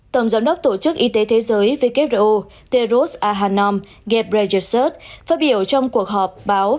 tổng giám đốc tổ chức y tế thế giới who teros ahanom ghebrejesus phát biểu trong cuộc họp báo